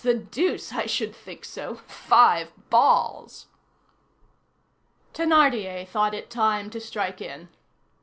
the deuce, I should think so! five balls!" Thénardier thought it time to strike in.